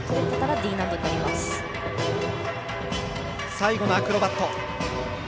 最後のアクロバット。